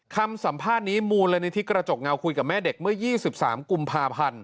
คำสัมภาษณ์นี้มูลนิธิกระจกเงาคุยกับแม่เด็กเมื่อ๒๓กุมภาพันธ์